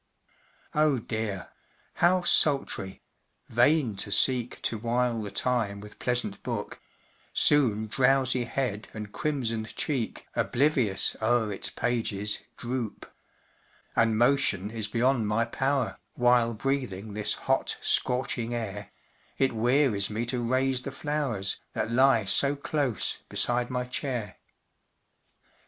Oh dear! how sultry! vain to seek To while the time with pleasant book, Soon drowsy head and crimsoned cheek Oblivious o'er its pages droop And motion is beyond my power, While breathing this hot, scorching air, It wearies me to raise the flowers, That lie so close beside my chair.